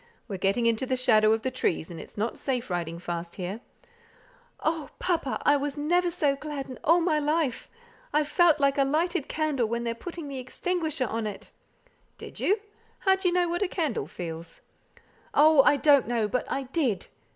"We're getting into the shadow of the trees, and it's not safe riding fast here." "Oh! papa, I never was so glad in all my life. I felt like a lighted candle when they're putting the extinguisher on it." "Did you? How d'ye know what the candle feels?" "Oh, I don't know, but I did."